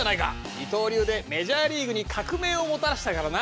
二刀流でメジャーリーグに革命をもたらしたからな。